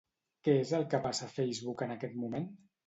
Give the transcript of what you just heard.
Què és el que passa a Facebook en aquest moment?